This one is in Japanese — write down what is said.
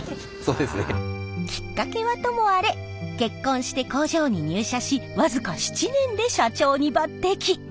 そうですね。きっかけはともあれ結婚して工場に入社し僅か７年で社長に抜てき。